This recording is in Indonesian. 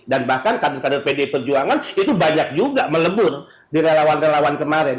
dan bahkan kader kader pd perjuangan itu banyak juga melebur di relawan relawan kemarin